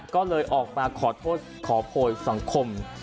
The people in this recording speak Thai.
ก็เลยออกมาขอโทษขอโพยสังคม